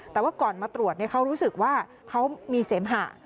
แต่ว่าก่อนมาตรวจเขารู้สึกว่าเขามีเสมหะ